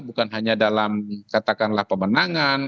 bukan hanya dalam katakanlah pemenangan